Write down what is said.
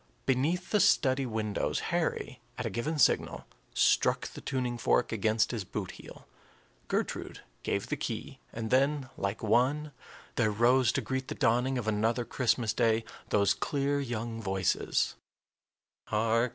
Beneath the study windows, Harry, at a given signal, struck the tuning fork against his boot heel, Gertrude gave the key, and then, like one, there rose to greet the dawning of another Christmas day those clear young voices: "Hark!